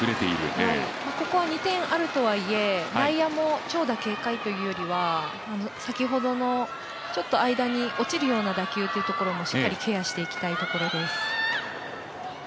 ここは２点あるとはいえ内野も長打警戒というよりは先ほどのちょっと間に落ちるような打球というのもしっかりケアしてきたいところです。